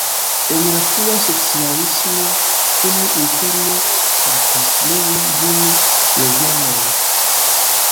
En la frua socialismo oni interne trakonstruis ĝin loĝejoj.